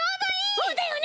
そうだよね！